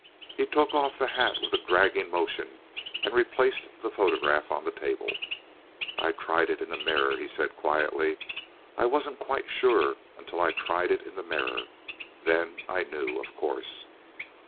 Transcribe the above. He took off the hat with a dragging motion and replaced the photograph on the table. "I tried it in the mirror," he said quietly. "I wasn't quite sure until I tried it in the mirror. Then I knew, of course."